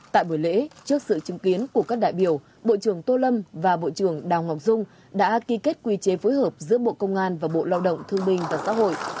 tại buổi lễ trước sự chứng kiến của các đại biểu bộ trưởng tô lâm và bộ trưởng đào ngọc dung đã ký kết quy chế phối hợp giữa bộ công an và bộ lao động thương minh và xã hội